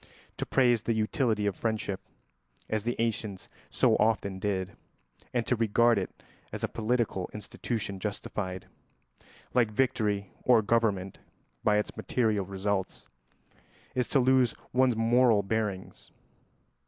To praise the utility of friendship, as the ancients so often did, and to regard it as a political institution justified, like victory or government, by its material results, is to lose one's moral bearings.